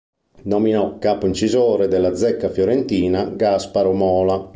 Nominò capo incisore della zecca fiorentina Gasparo Mola.